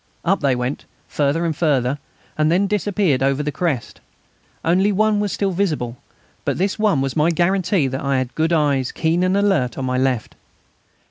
Up they went, further and further, and then disappeared over the crest. Only one was still visible, but this one was my guarantee that I had good eyes, keen and alert, on my left.